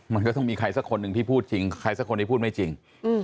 มันก็ต้องมีใครสักคนหนึ่งที่พูดจริงใครสักคนที่พูดไม่จริง